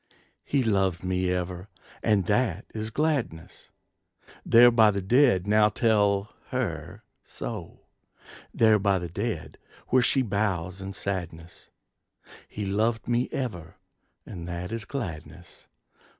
He loved me ever, and that is gladness! There by the dead now tell her so; There by the dead where she bows in sadness. He loved me ever, and that is gladness!